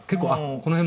この辺も。